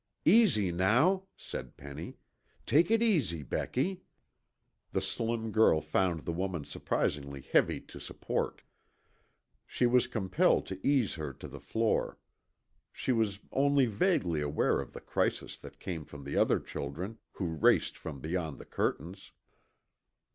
"Easy now," said Penny, "take it easy, Becky." The slim girl found the woman surprisingly heavy to support. She was compelled to ease her to the floor. She was only vaguely aware of the cries that came from the older children, who raced from beyond the curtains.